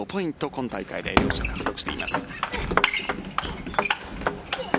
今大会で両者、獲得しています。